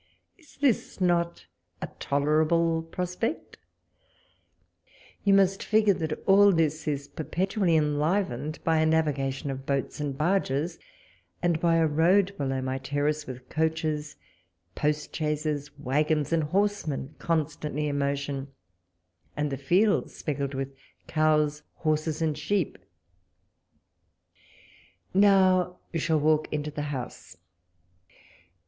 Is not this a tolerable prospect ? You must figure that all this is per petually enlivened by a navigation of boats and barges, and by a road below my terrace, with coaches, post chaises, waggons, and horsemen constantly in motion, and the fields speckled with cows, horses, and sheep. Now you shall walk into the house.